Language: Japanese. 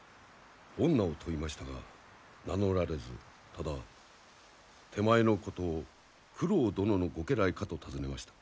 御名を問いましたが名乗られずただ手前のことを九郎殿のご家来かと尋ねました。